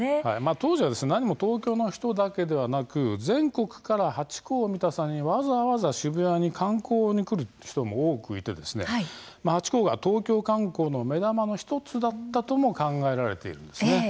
当時は、なにも東京の人だけではなく全国からハチ公見たさにわざわざ観光で渋谷を訪れる人も多くいてハチ公が東京観光の目玉の１つだったとも考えられているんです。